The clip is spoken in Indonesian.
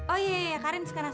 oh iya iya karin sekarang